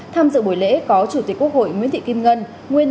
tham dự buổi lễ có chủ tịch quốc hội nguyễn thị kim ngân nguyên